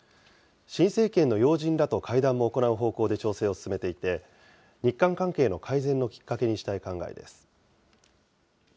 新政権の要人らと会談も行う方向で調整を進めていて、日韓関係の改善のきっかけにしたい考えです。